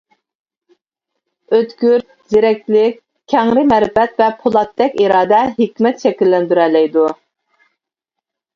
ئۆتكۈر زېرەكلىك، كەڭرى مەرىپەت ۋە پولاتتەك ئىرادە ھېكمەت شەكىللەندۈرەلەيدۇ.